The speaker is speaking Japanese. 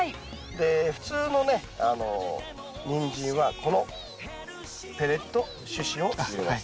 で普通のねニンジンはこのペレット種子を入れます。